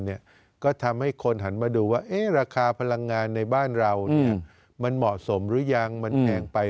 ก็ทำให้คนหันมาดูว่าราคาพลังงานในบ้านเรามันเหมาะสมหรือยังมันแพงไป